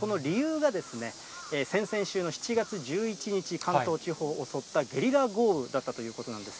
この理由が、先々週の７月１１日、関東地方を襲ったゲリラ豪雨だったということなんです。